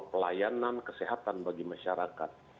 pelayanan kesehatan bagi masyarakat